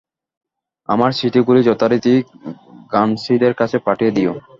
আমার চিঠিগুলি যথারীতি গার্নসিদের কাছে পাঠিয়ে দিও।